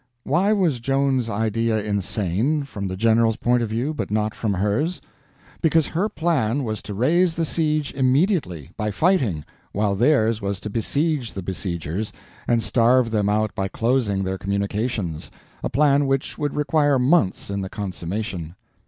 Why was Joan's idea insane, from the generals' point of view, but not from hers? Because her plan was to raise the siege immediately, by fighting, while theirs was to besiege the besiegers and starve them out by closing their communications—a plan which would require months in the consummation.